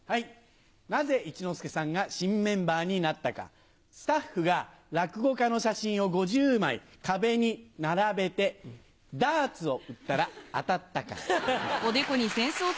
なぜ一之輔さんが新メンバーになったか、スタッフが落語家の写真を５０枚、壁に並べて、木久扇さん。